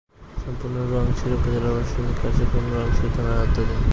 সম্পূর্ণ রোয়াংছড়ি উপজেলার প্রশাসনিক কার্যক্রম রোয়াংছড়ি থানার আওতাধীন।